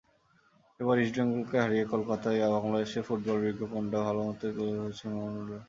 এবার ইস্টবেঙ্গলকে হারিয়ে কলকাতায় বাংলাদেশের ফুটবলের বিজ্ঞাপনটা ভালোমতোই তুলে ধরেছেন মামুনুলরা।